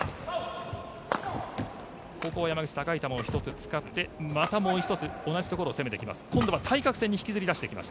ここは山口高い球を１つ使ってまた同じところをもう一度攻めていきます。